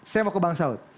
saya mau ke bang saud